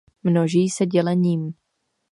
Množí se dělením.